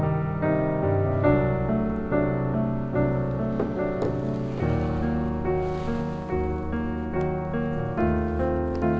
apa yang kamu lakukan